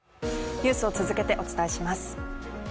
ニュースを続けてお伝えします。